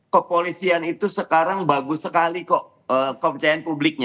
kepolisian itu sekarang bagus sekali kok kepercayaan publiknya